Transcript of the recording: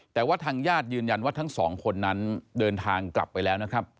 แต่ว่าทางญาติยืนยันว่าทั้งสองคนนั้นเดินทางกลับไปแล้วนะครับ